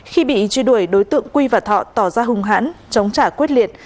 khi bị truy đuổi đối tượng quy và thọ tỏ ra hung hãn chống trả quyết liệt